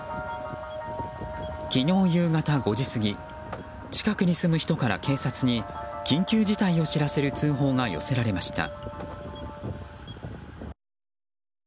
昨日夕方５時過ぎ近くに住む人から警察に緊急事態を知らせる通報が寄せられました。